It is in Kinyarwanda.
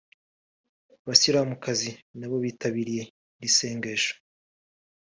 Abasilamukazi nabo bitabiriye iri sengesho